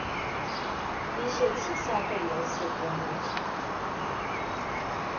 于是其校队由此得名。